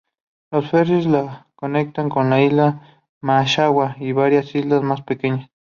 Los ferries la conectan con la isla de Massawa y varias islas más pequeñas.